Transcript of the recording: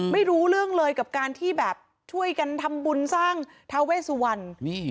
ไม่รู้เรื่องเลยกับการที่แบบช่วยกันทำบุญสร้างทาเวสวัน